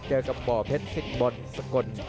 เจอกับบ่อเพชรสิทธิ์บอลสกล